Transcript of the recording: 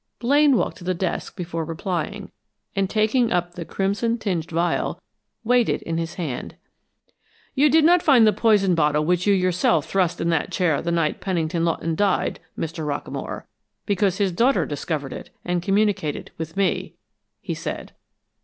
Blaine walked to the desk before replying, and taking up the crimson tinged vial, weighed it in his hand. "You did not find the poison bottle which you yourself thrust in that chair the night Pennington Lawton died, Mr. Rockamore, because his daughter discovered it and communicated with me," he said.